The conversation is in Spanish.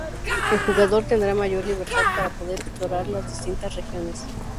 El jugador tendrá mayor libertad para poder explorar las distintas regiones.